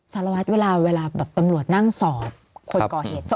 สารวัตรเวลาแบบตำรวจนั่งสอบคนก่อเหตุ